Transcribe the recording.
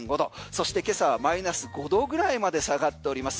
そして今朝はマイナス５度ぐらいまで下がっております。